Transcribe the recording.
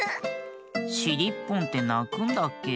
しりっぽんってなくんだっけ？